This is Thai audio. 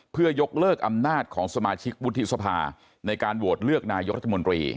เพื่อยกเลิกอำนาจของสมาชิกวุฒิสภาในการโหวตเลือกนายกรัฐมนตรี